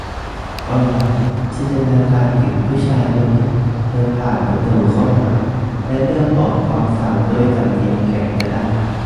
เอาหล่ะ จินตนาการถึงผู้ชายคนหนึ่งเดินผ่านประตูเข้ามา และเริ่มออกคำสั่งด้วยสำเนียงแข็งกระด้าง